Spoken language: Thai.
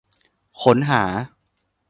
ค้นหา